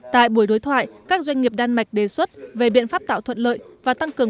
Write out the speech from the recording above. tại buổi đối thoại các doanh nghiệp đan mạch đề xuất về biện pháp tạo thuận lợi và tăng cường